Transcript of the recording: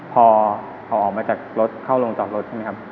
พอเข้าออกมาจากรถเข้าลงจอดรถ